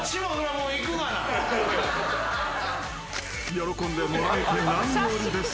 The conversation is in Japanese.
［喜んでもらえて何よりです。